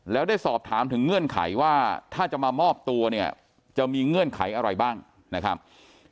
แล้วได้สอบถามถึงเงื่อนไขว่าถ้าจะมามอบตัวเนี่ยจะมีเงื่อนไขอะไรบ้างนะครับ